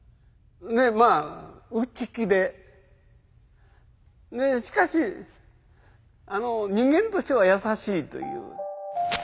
でまあ内気ででしかし人間としてはやさしいという。